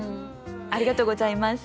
ありがとうございます。